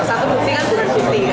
satu bukti kan bukan bukti